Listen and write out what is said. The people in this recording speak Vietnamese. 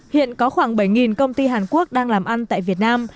hiện có khoảng bảy công ty hàn quốc đang làm ăn tại việt nam